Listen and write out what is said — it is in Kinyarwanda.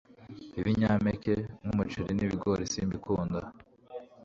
Ibinyampeke nk'umuceri n'ibigori simbikunda